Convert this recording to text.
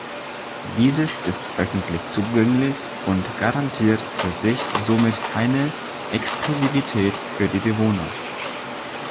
Dieses ist öffentlich zugänglich und garantiert für sich somit keine Exklusivität für die Bewohner.